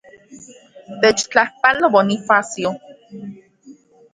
Techtlajpalo, Bonifacio.